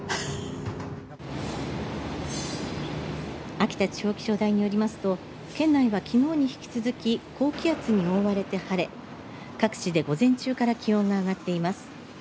秋田地方気象台によりますと県内は、きのうに引き続き高気圧に覆われて晴れ各地で午前中から気温が上がっています。